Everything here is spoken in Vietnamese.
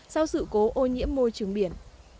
sau sự cố ô nhiễm môi trường biển